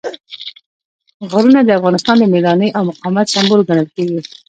غرونه د افغانانو د مېړانې او مقاومت سمبول ګڼل کېږي.